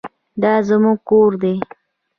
دا زموږ ګور دی